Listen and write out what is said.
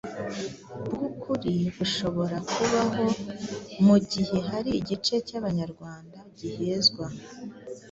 bwukuri bushobora kubaho mu gihe hari igice cy'Abanyarwanda gihezwa